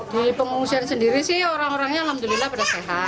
di pengungsian sendiri sih orang orangnya alhamdulillah pada sehat